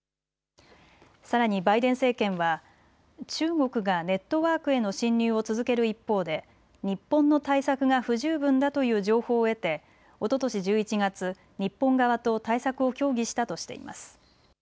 さらにバイデン政権は中国がネットワークへの侵入を続ける一方で日本の対策が不十分だという情報を得ておととし１１月、日本側と対策を協議したとしています。